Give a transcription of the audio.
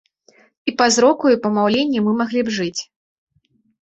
І па зроку, і па маўленні мы маглі б жыць.